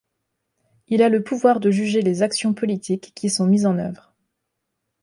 Il a le pouvoir de juger les actions politiques qui sont mises en œuvre.